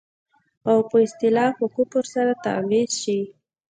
او په اصطلاح په کفر سره تعبير شي.